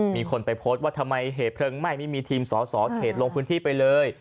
มีคนไปโพสต์ว่าทำไมเหตุเพลิงไหม้ไม่มีทีมสอสอเขตลงพื้นที่ไปเลย